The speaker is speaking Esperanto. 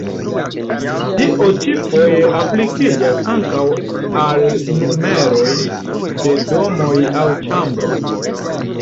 Tio ĉi foje aplikiĝas ankaŭ al numeroj de domoj aŭ ĉambroj.